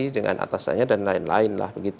dengan atasannya dan lain lain lah